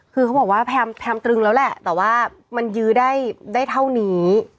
คือเขาบอกว่าพยายามตรึงแล้วแหละแต่ว่ามันยื้อได้เท่านี้